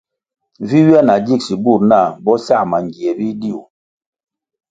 Vi ywia na gigsi bur nah bo sa mangie bidiu.